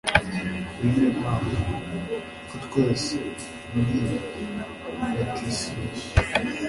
bene imana. ko twese muri batisimu